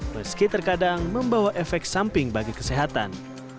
meski terkadang membawa efek samping bagi kesehatan